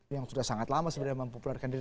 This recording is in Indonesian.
yang sudah sangat lama sebenarnya mempopulerkan diri